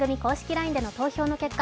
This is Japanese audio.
ＬＩＮＥでの投票の結果